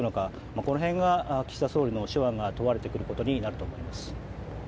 この辺が岸田総理の手腕が問われてくることになります。